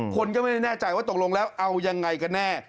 คนก็ไม่ได้แน่ใจว่าตกลงแล้วเอายังไงกันแน่